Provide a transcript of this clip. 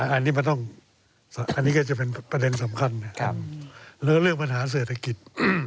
อันนี้ก็จะเป็นประเด็นสำคัญแล้วเรื่องปัญหาเศิษฐกิจ